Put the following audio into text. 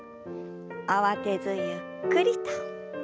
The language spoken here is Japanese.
慌てずゆっくりと。